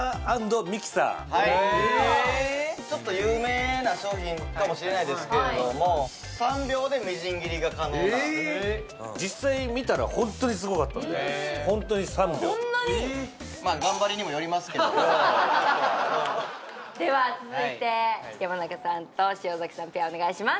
ちょっと有名な商品かもしれないですけれども３秒でみじん切りが可能な実際見たらホントにすごかったんでそんなにでは続いて山中さんと塩さんペアお願いします